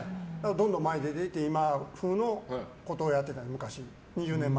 どんどん前に出て行って今風のことをやってた、昔。